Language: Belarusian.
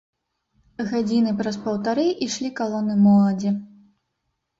Гадзіны праз паўтары ішлі калоны моладзі.